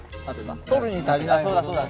取るに足りないもの。